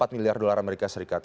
miliar dolar amerika serikat